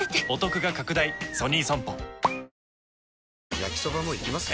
焼きソバもいきます？